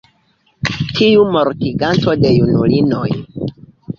tiu mortiganto de junulinoj!